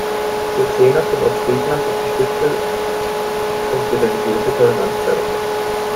Cirksena von Ostfriesland, unterstützte und die religiöse Toleranz förderte.